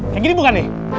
kayak gini bukan nih